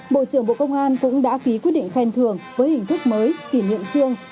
bộ trưởng bộ công an cũng đã ký quyết định khen thường với hình thức mới kỷ niệm chiêng